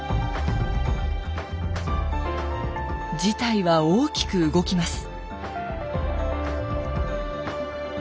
事態は大きく動きます。